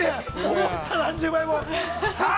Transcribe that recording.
思った何十倍もさあ、